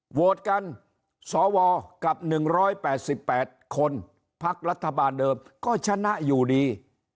โหวตกันสวกับ๑๘๘คนพักรัฐบาลเดิมก็ชนะอยู่ดี